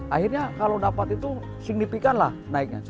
akhirnya kalau dapat itu signifikan lah naiknya